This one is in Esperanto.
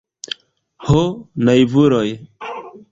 Ho naivuloj!